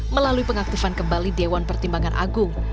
melalui pengaktifan kembali dewan pertimbangan agung